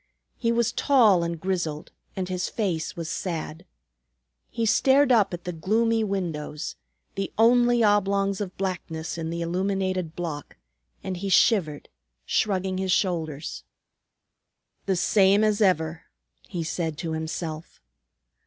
He was tall and grizzled and his face was sad. He stared up at the gloomy windows, the only oblongs of blackness in the illuminated block, and he shivered, shrugging his shoulders. "The same as ever!" he said to himself.